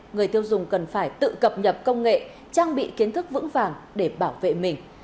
người tiêu dùng cần phải tự cập nhật công nghệ trang bị kiến thức vững vàng để bảo vệ mình